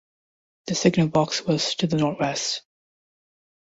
The signal box was to the north west.